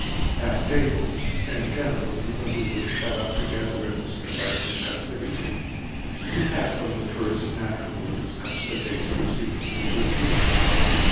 At table, and generally when we were shut up together in Mr. Harker’s custody, we had from the first naturally discussed the day’s proceedings a good deal.